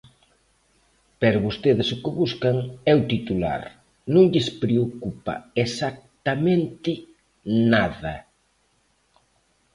Pero vostedes o que buscan é o titular, non lles preocupa exactamente nada.